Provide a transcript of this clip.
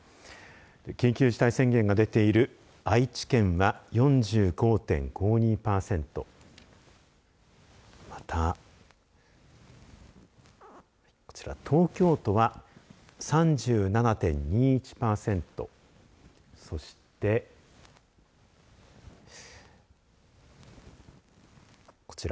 緊急事態宣言が出ている愛知県は４５．５２パーセントまた、こちら東京都は３７．２１パーセントそしてこちら